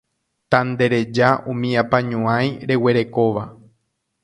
Tandereja umi apañuái reguerekóva